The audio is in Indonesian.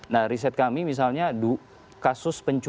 nah riset kami misalnya kasus pencurian